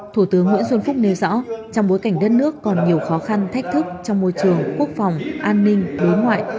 thủ tướng nguyễn xuân phúc nêu rõ trong bối cảnh đất nước còn nhiều khó khăn thách thức trong môi trường quốc phòng an ninh đối ngoại